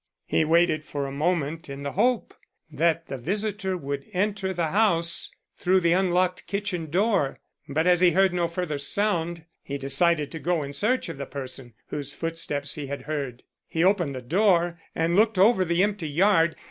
He waited for a moment in the hope that the visitor would enter the house through the unlocked kitchen door, but as he heard no further sound he decided to go in search of the person whose footsteps he had heard. He opened the door and looked over the empty yard.